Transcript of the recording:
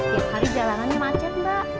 tiap hari jalanannya macet mbak